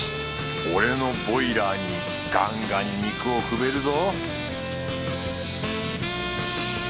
俺のボイラーにガンガン肉をくべるぞ